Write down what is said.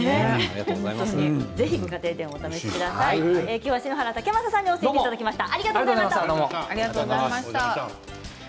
今日は篠原武将さんに教えていただきました。